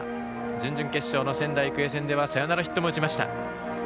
準々決勝の仙台育英戦ではサヨナラヒットを打ちました。